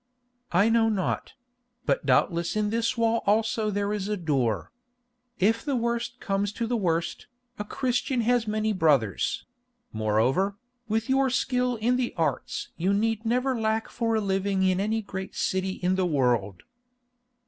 "I know not; but doubtless in this wall also there is a door. If the worst comes to the worst, a Christian has many brothers; moreover, with your skill in the arts you need never lack for a living in any great city in the world."